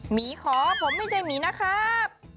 หมีขอผมไม่ใช่หมีนะครับ